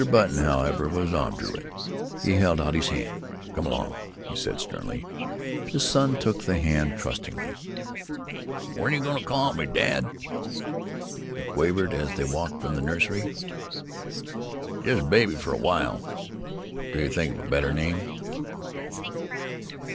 Button, however, was obdurate he held out his hand. "Come along!" he said sternly. His son took the hand trustingly. "What are you going to call me, dad?" he quavered as they walked from the nursery "just 'baby' for a while? till you think of a better name?"